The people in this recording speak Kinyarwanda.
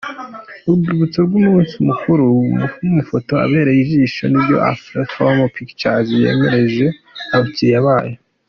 Urwibutso rw'umunsi mukuru mu mafoto abereye ijisho nibyo Afrifame Pictures yamenyeereje abakiriya bayo.